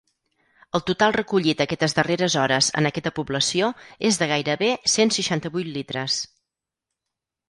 El total recollit aquestes darreres hores en aquesta població és de gairebé cent seixanta-vuit litres.